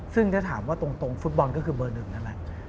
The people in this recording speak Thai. ซึ่งถ้าถามว่าตรงฟุตบอลก็คือเบอร์หนึ่งนั่นแหละ